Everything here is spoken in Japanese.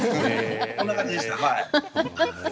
そんな感じでした。